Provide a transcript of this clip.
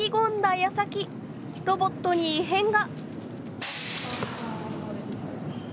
やさきロボットに異変が。